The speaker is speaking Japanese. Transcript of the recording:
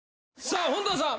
さあ本田さん